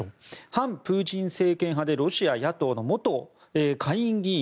反プーチン政権派でロシア野党の元下院議員